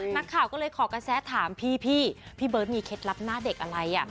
นักข่าวก็เลยขอกระแสถามพี่พี่เบิร์ตมีเคล็ดลับหน้าเด็กอะไรอ่ะ